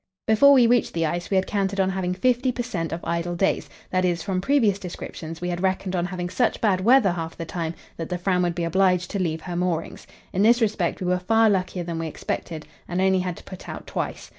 Before we reached the ice, we had counted on having 50 per cent. of idle days that is, from previous descriptions we had reckoned on having such bad weather half the time that the Fram would be obliged to leave her moorings. In this respect we were far luckier than we expected, and only had to put out twice.